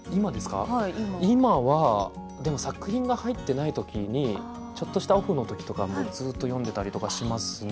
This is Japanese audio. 今は作品が入っていない時にちょっとしたオフの時とかずっと読んでいたりしますね。